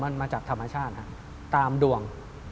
มันมาจากธรรมชาติตามดวง